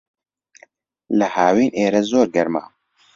لە ھاوین، ئێرە زۆر گەرمە.